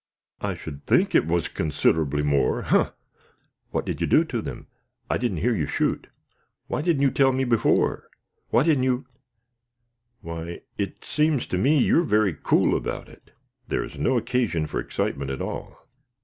"I should think it was considerably more, umph! What did you do to them? I didn't hear you shoot. Why didn't you tell me before? Why didn't you why, it seems to me you're very cool about it." "There is no occasion for excitement at all.